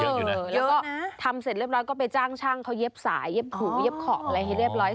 แล้วก็ทำเสร็จเรียบร้อยก็ไปจ้างช่างเขาเย็บสายเย็บหูเย็บขอบอะไรให้เรียบร้อย